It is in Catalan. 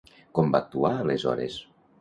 Com va actuar aleshores?